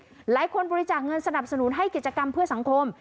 หลายคนบริจาคเงินสนับสนุนให้กิจกรรมเพื่อสังคม